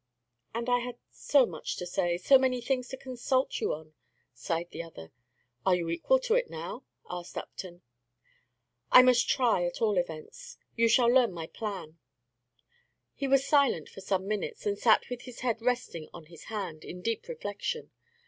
"And I had so much to say, so many things to consult you on," sighed the other. "Are you equal to it now?" asked Upton. "I must try, at all events. You shall learn my plan." He was silent for some minutes, and sat with his head resting on his hand, in deep reflection.